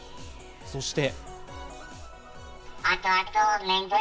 そして。